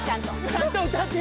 ・ちゃんと歌って。